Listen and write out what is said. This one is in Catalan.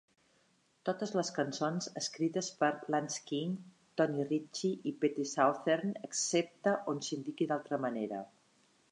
Totes les cançons escrites per Lance King, Tony Ritchie i Pete Southern, excepte on s'indiqui d'altra manera.